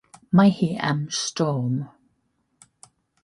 Mae hi am storm.